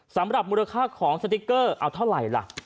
สำหรับมูลค่าของสติ๊กเกอร์เอาเท่าไหร่ล่ะ